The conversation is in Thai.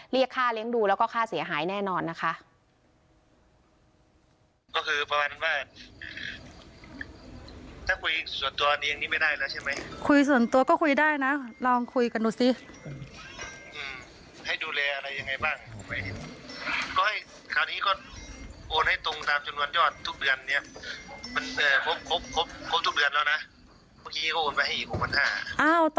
เรียกค่าเลี้ยงดูแล้วก็ค่าเสียหายแน่นอนนะคะ